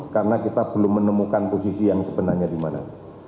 karena kita belum menemukan posisi yang sebenarnya di mana